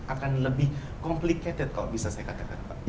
akan lebih complicated kalau bisa saya katakan pak